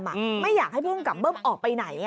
ไม่อยากให้ผู้กำกับเบิ้มออกไปไหน